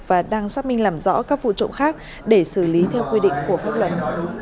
và đang xác minh làm rõ các vụ trộm khác để xử lý theo quy định của pháp luật